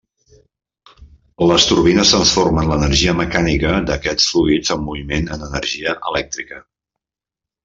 Les turbines transformen l'energia mecànica d'aquests fluids en moviment en energia elèctrica.